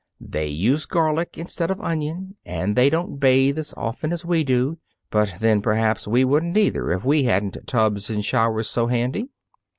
"They use garlic instead of onion, and they don't bathe as often as we do; but, then, perhaps we wouldn't either, if we hadn't tubs and showers so handy."